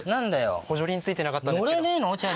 補助輪付いてなかったですけど。